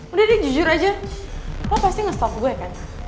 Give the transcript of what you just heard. udah deh jujur aja kok pasti nge stop gue kan